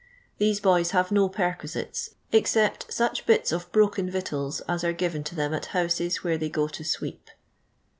The^e boys have no perquisites, except such bits of iiroken victuals as are given tu them at houses where they go to sweep.